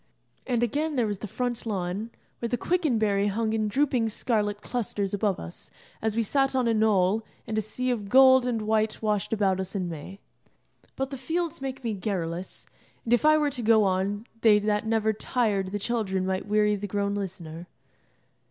And again, there was the front lawn, where the quicken berry hung in drooping scarlet clusters above us, as we sat on a knoll, and a sea of gold and white washed about us in May. But the fields make me garrulous, and if I were to go on they that never tired the children might weary the grown listener.